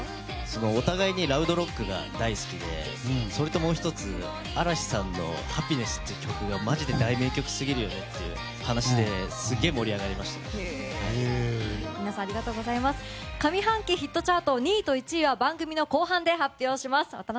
お互いにラウドロックが大好きでそれと、もう１つ嵐さんの「Ｈａｐｐｉｎｅｓｓ」という曲はマジで大名曲すぎるよねって上半期ヒットチャート２位と１位は番組の後半で発表します。